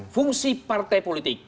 fungsi partai politik